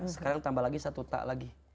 sekarang tambah lagi satu tak lagi